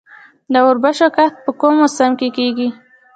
د وربشو کښت په کوم موسم کې کیږي؟